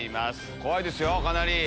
怖いですよかなり。